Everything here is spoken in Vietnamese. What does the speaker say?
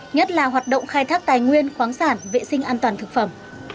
nhất là hoạt động khai thác tài nguyên khoáng sản vệ sinh an toàn thực phẩm